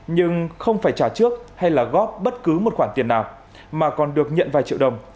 nhưng không phải trả trước hay là góp bất cứ một khoản tiền nào mà còn được nhận vài triệu đồng